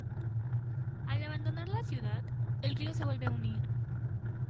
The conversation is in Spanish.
Al abandonar la ciudad, el río se vuelve a unir.